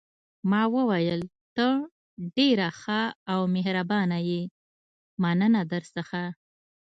ما وویل: ته ډېره ښه او مهربانه یې، مننه درڅخه.